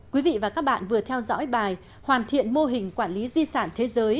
quý vị và các bạn vừa theo dõi bài hoàn thiện mô hình quản lý di sản thế giới